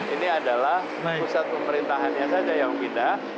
ini adalah pusat pemerintahannya saja yang pindah